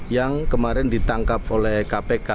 yang kemarin ditangkap oleh kpk